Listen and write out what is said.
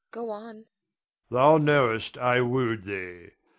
Go on. Adrian. Thou knowest I wooed thee.